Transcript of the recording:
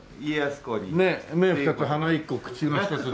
目２つ鼻１個口も１つで。